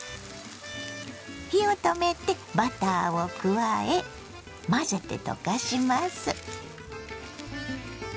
火を止めてバターを加え混ぜて溶かします。